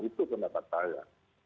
itu pendapat saya